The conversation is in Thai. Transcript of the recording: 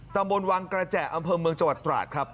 ตำบลวังกระแจอำเภอเมืองจังหวัดตราดครับ